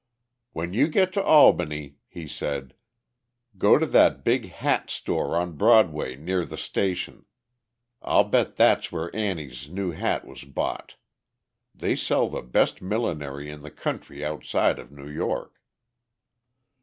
"When you get to Albany," he said, "go to that big hat store on Broadway near the station. I'll bet that's where Annie's new hat was bought—they sell the best millinery in the country outside of New York."